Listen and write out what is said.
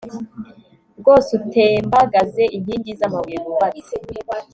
rwose utembagaze inkingi z amabuye bubatse